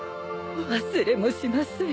忘れもしません